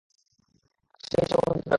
আর সে-ই সর্বপ্রথম যুক্তি প্রয়োগকারী।